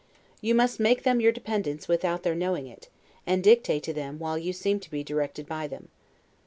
You must make them your dependents without their knowing it, and dictate to them while you seem to be directed by them.